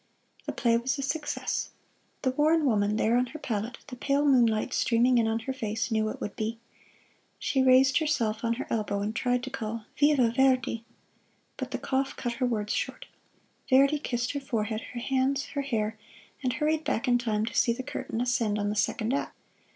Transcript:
The play was a success. The worn woman there on her pallet, the pale moonlight streaming in on her face, knew it would be. She raised herself on her elbow and tried to call, "Viva Verdi!" But the cough cut her words short. Verdi kissed her forehead, her hands, her hair, and hurried back in time to see the curtain ascend on the second act.